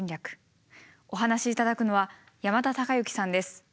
お話し頂くのは山田孝之さんです。